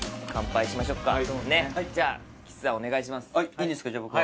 いいんですかじゃあ僕が。